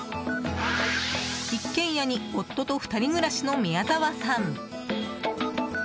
一軒家に夫と２人暮らしの宮澤さん。